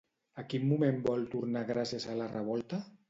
A quin moment vol tornar gràcies a la revolta?